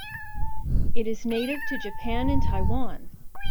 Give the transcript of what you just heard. It is native to Japan and Taiwan.